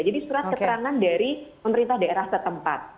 jadi surat keterangan dari pemerintah daerah setempat